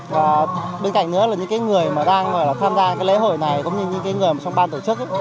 và bên cạnh nữa là những cái người mà đang tham gia cái lễ hội này cũng như những cái người trong ban tổ chức